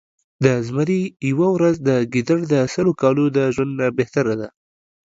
د زمري يؤه ورځ د ګیدړ د سلو کالو د ژؤند نه بهتره ده